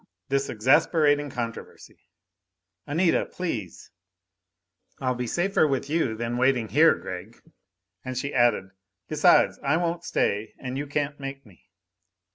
This exasperating controversy! "Anita, please." "I'll be safer with you than waiting here, Gregg." And she added, "Besides, I won't stay and you can't make me."